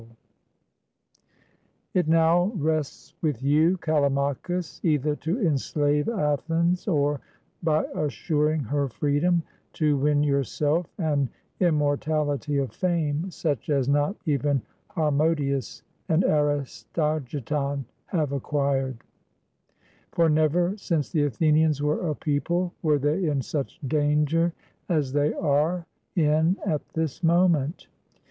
79 GREECE "It now rests with you, Callimachus, either to enslave Athens, or, by assuring her freedom, to win yourself an immortality of fame, such as not even Harmodius and Aristogiton have acquired; for never, since the Athenians were a people, were they in such danger as they are in at this moment.